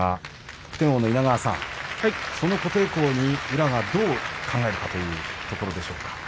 普天王の稲川さん、その琴恵光に宇良がどう考えるかというところです。